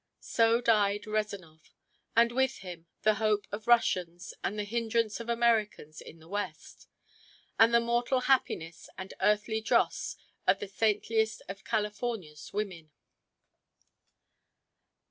So died Rezanov; and with him the hope of Russians and the hindrance of Americans in the west; and the mortal happiness and earthly dross of the saintliest of California's women.